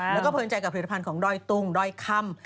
แล้วก็เพลินใจกับผลิตภัณฑ์ของดอยตุงด้อยคำ